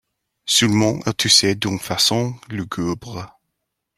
Seulement elle toussait d'une façon lugubre.